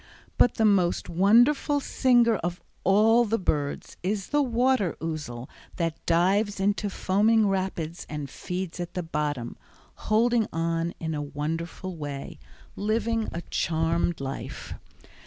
But the most wonderful singer of all the birds is the water ouzel that dives into foaming rapids and feeds at the bottom, holding on in a wonderful way, living a charmed life.